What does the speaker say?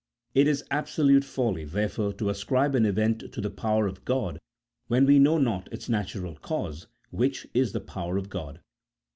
It is absolute folly, therefore, to ascribe an event to the power of God when we know not its natural cause, which is the power of God.